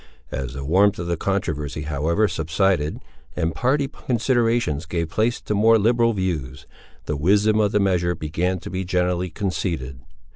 As the warmth of controversy however subsided, and party considerations gave place to more liberal views, the wisdom of the measure began to be generally conceded.